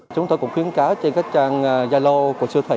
chúng tôi cũng khuyến cáo trên các trang gia lô của siêu thị